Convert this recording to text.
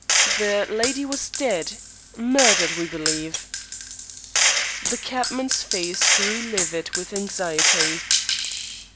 "The lady was dead murdered, we believe." The cabman's face grew livid with anxiety.